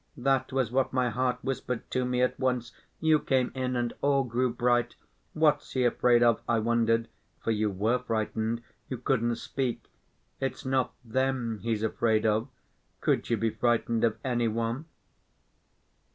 That was what my heart whispered to me at once. You came in and all grew bright. What's he afraid of? I wondered. For you were frightened; you couldn't speak. It's not them he's afraid of—could you be frightened of any one?